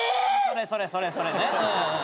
それそれそれそれね。